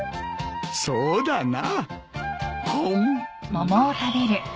そうだな。